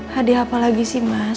hadiah apa lagi sih mas